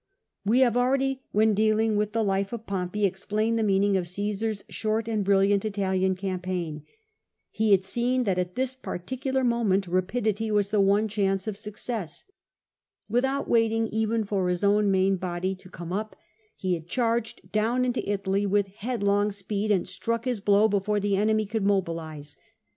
We have already, when dealing with the life of Pompey, explained the meaning of Csesafs short and brilliant Italian campaign. He had seen that at this particular moment rapidity was the one chance of success. Without waiting even for his own main body to come up, he had charged down into Italy with headlong speed, and struck his blow before the enemy could mobilise.